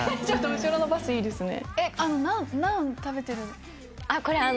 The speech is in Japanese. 後ろのバスいいですね。